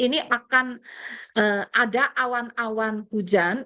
ini akan ada awan awan hujan